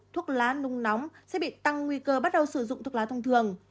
thuốc lá nung nóng sẽ bị tăng nguy cơ bắt đầu sử dụng thuốc lá thông thường